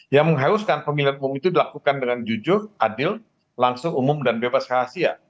yang menghauskan pemilihan umum itu dilakukan dengan jujur adil langsung umum dan bebas rahasia